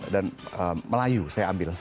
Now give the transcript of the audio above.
dan melayu saya ambil